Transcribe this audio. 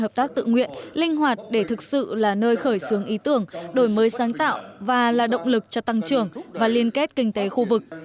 hợp tác tự nguyện linh hoạt để thực sự là nơi khởi xướng ý tưởng đổi mới sáng tạo và là động lực cho tăng trưởng và liên kết kinh tế khu vực